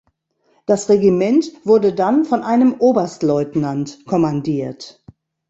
Das Regiment wurde dann von einem Oberstleutnant kommandiert.